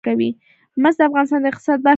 مس د افغانستان د اقتصاد برخه ده.